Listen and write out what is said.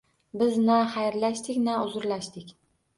Biz na xayrlashdik, na uzrlashdik…